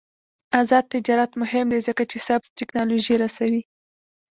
آزاد تجارت مهم دی ځکه چې سبز تکنالوژي رسوي.